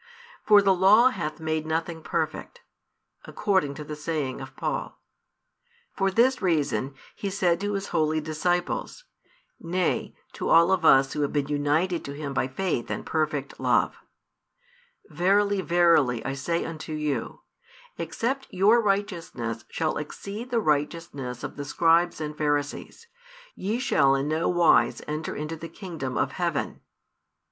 For the Law hath made nothing perfect, according to the saying of Paul. For this reason He said to His holy disciples, nay to all of us who have been united to Him by faith and perfect love: Verily, verily I say unto you, Except your righteousness shall exceed the righteousness of the scribes and Pharisees, ye shall in no wise enter into the kingdom of heaven.